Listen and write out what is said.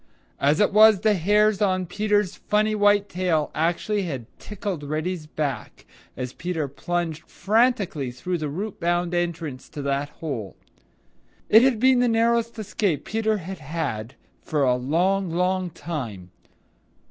As it was, the hairs on Peter's funny white tail actually had tickled Reddy's back as Peter plunged frantically through the root bound entrance to that hole. It had been the narrowest escape Peter had had for a long, long time.